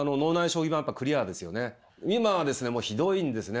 今はですねひどいんですね。